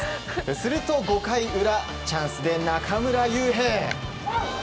すると５回裏チャンスで中村悠平。